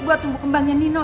gue tunggu kembangnya nino